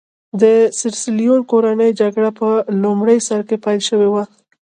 د سیریلیون کورنۍ جګړه په لومړي سر کې پیل شوې وه.